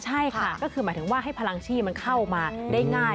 ใช่ค่ะก็คือหมายถึงว่าให้พลังชีพมันเข้ามาได้ง่าย